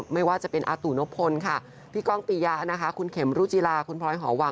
ไม่ว่าจะเป็นอตุนพลพี่กองติยะคุณเขมรูจิลา